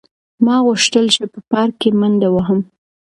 ما غوښتل چې په پارک کې منډه وهم.